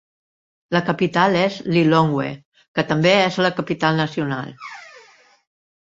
La capital és Lilongwe, que també és la capital nacional.